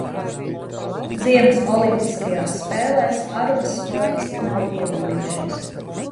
Ziemas olimpiskajās spēlēs Arubas sportisti nav piedalījušies.